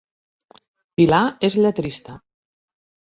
Pilar és lletrista